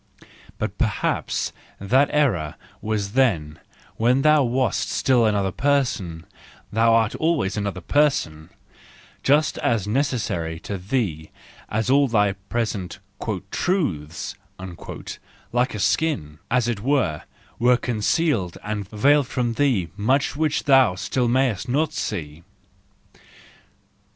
But perhaps that error was then, when thou wast still another person—thou art always another person,—just as necessary to thee as all thy present 11 truths," like a skin, as it SANCTUS JANUARIUS 24I were, which concealed and veiled from thee much which thou still mayst not see.